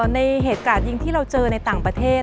ในเหตุการณ์ยิงที่เราเจอในต่างประเทศ